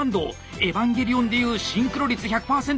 「エヴァンゲリオン」で言うシンクロ率１００％！